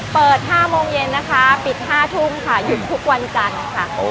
เปิด๕โมงเย็นนะคะปิด๕ทุ่มค่ะหยุดทุกวันจันทร์ค่ะ